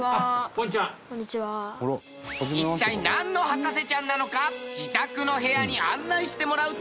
一体なんの博士ちゃんなのか自宅の部屋に案内してもらうと。